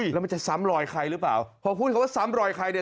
แล้วมันจะซ้ำรอยใครหรือเปล่าพอพูดคำว่าซ้ำรอยใครเนี่ย